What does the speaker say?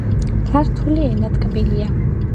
ქართული ენა ტკბილია.